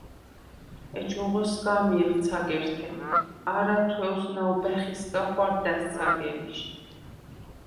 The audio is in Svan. ეჩუნღო სგა̄მიეხ ცაგერთე. არა თუ̂ეუ̂ს ნაუ̂ბა̈ხისგა ხუ̂არდა̈ს ცაგერიშ.